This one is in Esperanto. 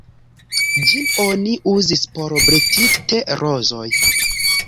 Ĝin oni uzis por bredi te-rozoj.